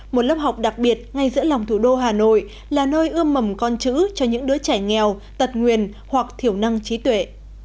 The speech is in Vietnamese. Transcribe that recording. một lớp học đặc biệt ngay giữa lòng thủ đô hà nội là nơi ươm mầm con chữ cho những đứa trẻ nghèo tật nguyền hoặc thiểu năng trí tuệ